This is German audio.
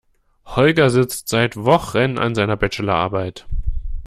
Holger sitzt seit Wochen an seiner Bachelor Arbeit.